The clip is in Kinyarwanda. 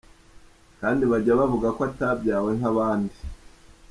Kandi bajya bavuga ko atabyawe nk’abandi!”.